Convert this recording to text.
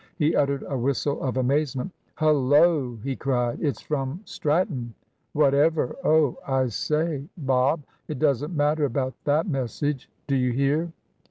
He uttered a whistle of amazement. "Hullo!" he cried, "it's from Stratton! Whatever Oh, I say, Bob, it doesn't matter about that message; do you hear!"